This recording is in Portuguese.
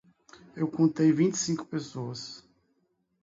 Eu contei vinte e cinco pessoas.